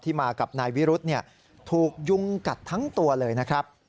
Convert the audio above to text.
มากับนายวิรุธถูกยุงกัดทั้งตัวเลยนะครับ